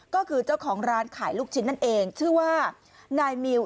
ก็คือเจ้าของร้านขายลูกชิ้นนั่นเองชื่อว่านายมิว